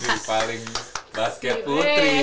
si paling basket putri